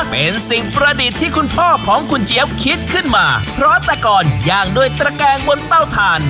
เป็นสิ่งประดิษฐ์ที่คุณพ่อของคุณเจี๊ยบคิดขึ้นมาเพราะแต่ก่อนย่างด้วยตระแกงบนเต้าทาน